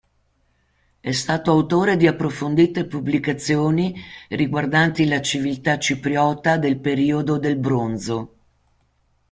È stato autore di approfondite pubblicazioni riguardanti la civiltà cipriota del periodo del Bronzo.